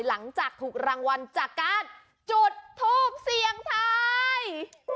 หลังจากถูกรางวัลจากการจุดทูปเสี่ยงทาย